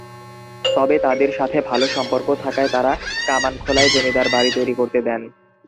তবে তাদের সাথে ভালো সম্পর্ক থাকায় তারা কামানখোলায় জমিদার বাড়ি তৈরি করতে দেন।